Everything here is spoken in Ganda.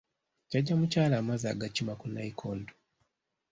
Jjajja mukyala amazzi agakima ku nnayikondo.